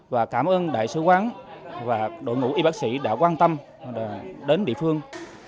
và cảm ơn đại sứ quán và đội ngũ y bác sĩ đã quan tâm đến địa phương